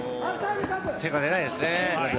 手が出ないですね。